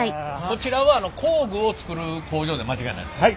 こちらは工具を作る工場で間違いないですか？